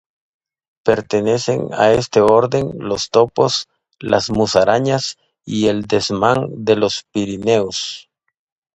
Pertenecen a este orden los topos, las musarañas y el desmán de los Pirineos.